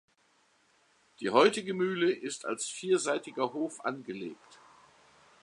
Die heutige Mühle ist als vierseitiger Hof angelegt.